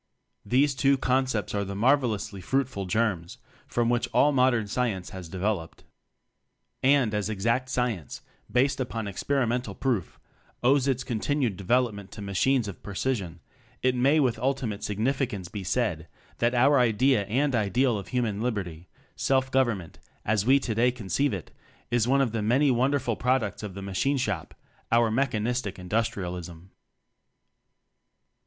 These two concepts are the mar velously fruitful germs from which all modern Science has developed. And, as exact science based upon experimental proof owes its con tinued development to machines of precision; it may with ultimate sig nificance be said that our idea and Ideal of Human Liberty, self govern ment, as we today conceive it, is one of the many wonderful products of the machine shop our Mechan istic Industrialism.